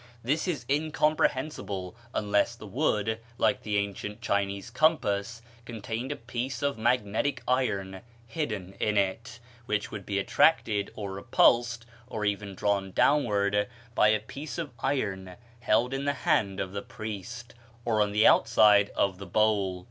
This is incomprehensible, unless the wood, like the ancient Chinese compass, contained a piece of magnetic iron hidden in it, which would be attracted or repulsed, or even drawn downward, by a piece of iron held in the hand of the priest, on the outside of the bowl.